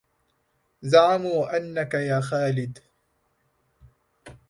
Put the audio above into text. زعموا أنك يا خالد